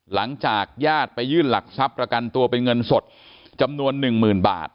หลังจากญาติไปยื่นหลักทรัพย์ประกันตัวเป็นเงินสดจำนวนหนึ่งหมื่นบาท